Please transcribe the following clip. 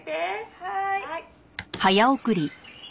「はい」